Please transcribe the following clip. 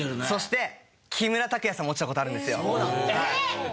そして木村拓哉さんも落ちた事あるんですよ。